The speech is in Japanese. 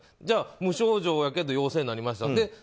じゃあ、無症状やけど陽性になりました。